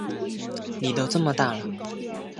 妳都这么大了